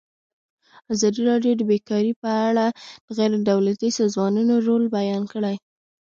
ازادي راډیو د بیکاري په اړه د غیر دولتي سازمانونو رول بیان کړی.